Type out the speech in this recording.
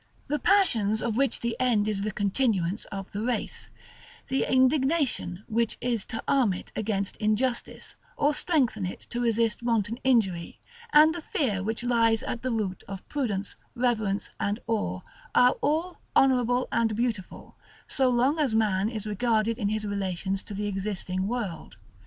The passions of which the end is the continuance of the race; the indignation which is to arm it against injustice, or strengthen it to resist wanton injury; and the fear which lies at the root of prudence, reverence, and awe, are all honorable and beautiful, so long as man is regarded in his relations to the existing world.